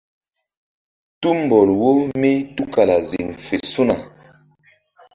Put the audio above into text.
Tumbɔl wo mí tukala ziŋfe su̧na.